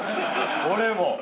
俺も！